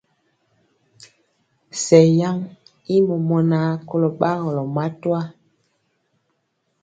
Sɛŋ yaŋ i mɔmɔnaa kolɔ gbagɔlɔ matwa.